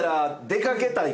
出かけたい。